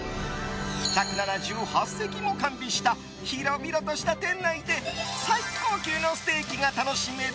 １７８席も完備した広々とした店内で最高級のステーキが楽しめる